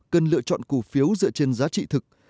cần lựa chọn cổ phiếu dựa trên giá trị thực